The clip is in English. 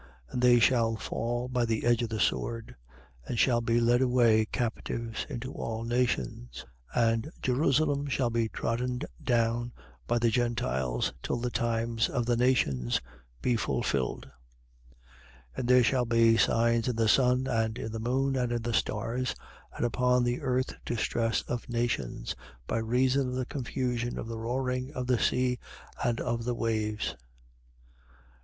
And they shall fall by the edge of the sword and shall be led away captives into all nations: and Jerusalem shall be trodden down by the Gentiles till the times of the nations be fulfilled. 21:25. And there shall be signs in the sun and in the moon and in the stars; and upon the earth distress of nations, by reason of the confusion of the roaring of the sea, and of the waves: 21:26.